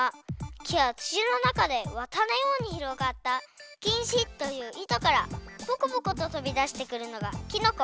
きやつちのなかでわたのようにひろがったきんしといういとからぽこぽこととびだしてくるのがきのこ。